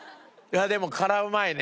でも辛うまいね！